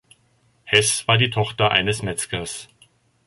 Hess war die Tochter eines Metzgers.